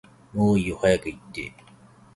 もういいよって早く言って